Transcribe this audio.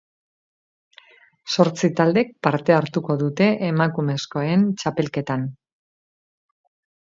Zortzi taldek parte hartuko dute emakumezkoen txapelketan.